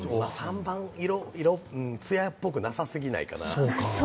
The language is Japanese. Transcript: ３番、色つやっぽくなさすぎないかな？